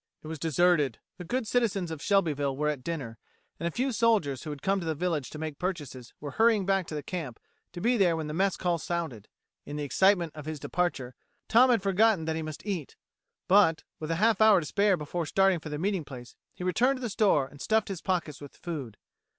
It was deserted; the good citizens of Shelbyville were at dinner, and a few soldiers who had come to the village to make purchases were hurrying back to camp to be there when mess call sounded. In the excitement of his departure Tom had forgotten that he must eat, but, with a half hour to spare before starting for the meeting place, he returned to the store and stuffed his pockets with food.